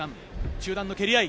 中段の蹴り合い。